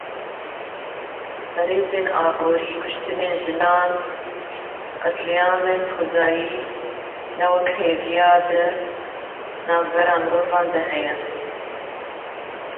Qrîzên aborî, kuştinên jinan, qetlîamên xwezayê, newekheviya di navbera mirovan de heye.